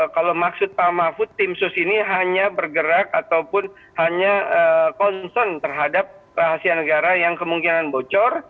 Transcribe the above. kalau maksud pak mahfud tim sus ini hanya bergerak ataupun hanya concern terhadap rahasia negara yang kemungkinan bocor